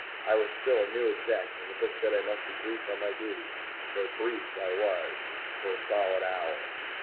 I was still a new Exec, and the book said I must be briefed on my duties. So "briefed" I was for a solid hour.